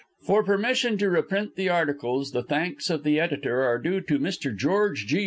For permission to reprint the articles the thanks of the editor are due to Mr. George G.